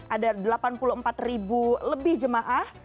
ada rp delapan puluh empat lebih jemaah